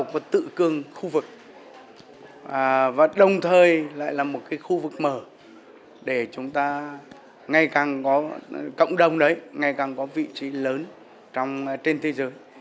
và tự cường khu vực và đồng thời lại là một cái khu vực mở để chúng ta ngày càng có cộng đồng đấy ngày càng có vị trí lớn trên thế giới